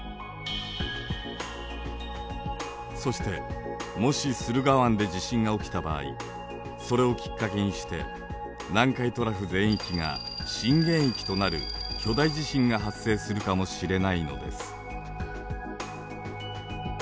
そしてもし駿河湾で地震が起きた場合それをきっかけにして南海トラフ全域が震源域となる巨大地震が発生するかもしれないのです。